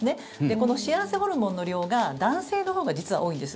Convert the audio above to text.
この幸せホルモンの量が男性のほうが実は多いんです。